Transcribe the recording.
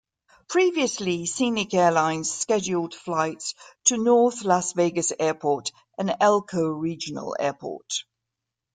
Previously Scenic Airlines scheduled flights to North Las Vegas Airport and Elko Regional Airport.